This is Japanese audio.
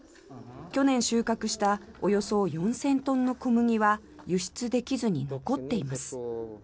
去年、収穫したおよそ４０００トンの小麦は輸出できずに残っています。